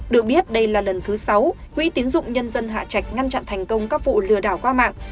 được biết đây là lần thứ sáu quỹ tiến dụng nhân dân hạ trạch ngăn chặn thành công các vụ lừa đảo qua mạng